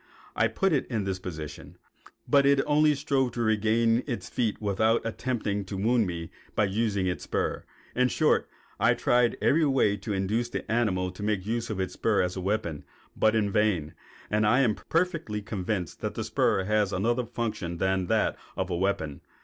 I put it in this position, but it only strove to regain its feet without attempting to wound me by using its spur. In short, I tried in every way to induce the animal to make use of its spur as a weapon, but in vain; and I am perfectly convinced that the spur has another function than that of a weapon.